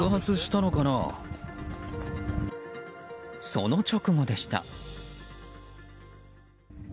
その直後でした。